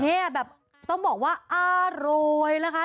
แบบต้องบอกว่าอร่อยนะคะ